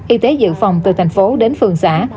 y tế dự phòng từ thành phố đến phường xã